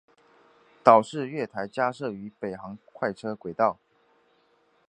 岛式月台加设于北行快车轨道。